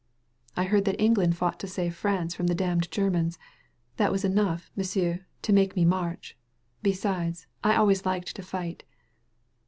"I heard that England fought to save France from the damned Germans. That was enough, M'sieu', to make me march. Besides, I always liked to fight."